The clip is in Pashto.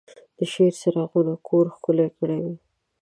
د شپې څراغونو کور ښکلی کړی و.